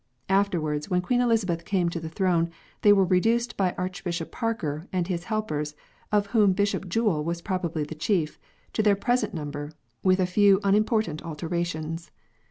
Afterwards, when Queen Elizabeth came to the throne, they were reduced by Archbishop Parker and his helpers, of whom Bishop Jewell was probably the chief, to their present number, with a few unim portant alterations.